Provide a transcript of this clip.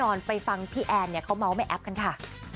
นอนไปฟังพี่แอนเนี่ยเขาเมาส์แม่แอฟกันค่ะ